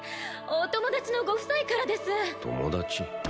お友達のご夫妻からです友達？